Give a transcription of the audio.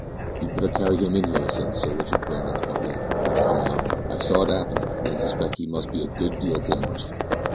"You'd better carry him in here," said Sir Richard Brandon's butler, who had come out. "I saw it 'appen, and suspect he must be a good deal damaged."